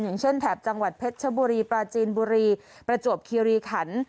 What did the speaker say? อย่างเช่นแถบจังหวัดเพชรชบุรีปราจีนบุรีประจวบคีรีขัน